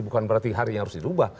bukan berarti harinya harus dirubah